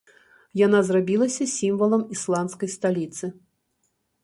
Яна зрабілася сімвалам ісландскай сталіцы.